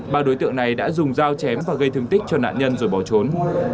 ba đối tượng này đã dùng dao chém và gây thương tích cho nạn nhân rồi bỏ trốn